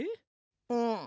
うん。